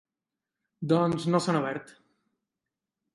Doncs no s’han obert.